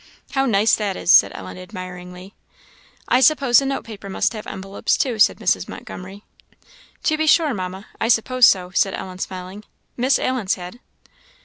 "How nice that is!" said Ellen, admiringly. "I suppose the note paper must have envelopes too," said Mrs. Montgomery. "To be sure, Mamma; I suppose so," said Ellen, smiling; "Miss Allen's had."